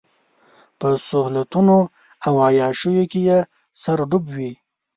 په سهولتونو او عياشيو کې يې سر ډوب وي.